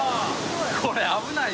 これ危ない。